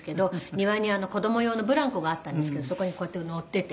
「庭に子供用のブランコがあったんですけどそこにこうやって乗っていて」